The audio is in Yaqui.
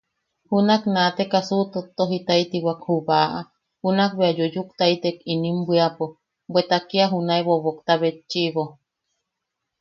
Junak naateka suʼutottojitaitiwak Ju baʼa, junak bea yuyuktaitek inim bwiapo, bweta kia junae bobokta betchiʼibo.